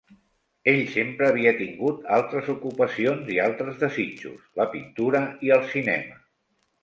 Ell sempre havia tingut altres ocupacions i altres desitjos: la pintura i el cinema.